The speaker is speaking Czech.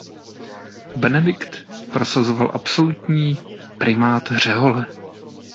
Benedikt prosazoval absolutní primát řehole.